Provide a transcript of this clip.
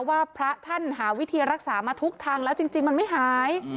ว่าพระท่านหาวิธีรักษามาทุกทางแล้วจริงมันไม่หาย